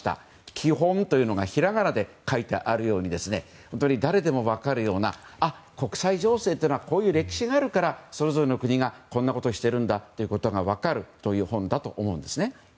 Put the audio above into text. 「きほん」というのがひらがなで書いてあるように誰でも分かるような国際情勢というのはこういう歴史があるからそれぞれの国がこんなことをしてるんだということが分かる本だと思うんですね。